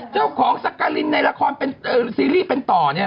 เจ้าของสการินในละครซีรีส์เป็นต่อ